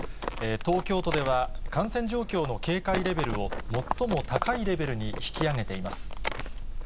東京都では、感染状況の警戒レベルを最も高いレベルに引き上げています。